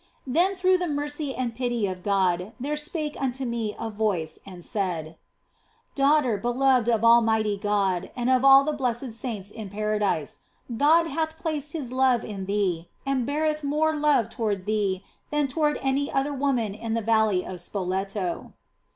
Then through the mercy and pity of God there spake unto me a voice and said :" Daughter beloved of Almighty God and of all the blessed saints in Paradise, God hath placed His love in thee and beareth more love toward thee than toward any other woman in the Valley of Spoleto."